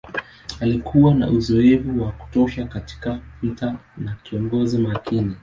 Alikuwa na uzoefu wa kutosha katika vita na kiongozi makini.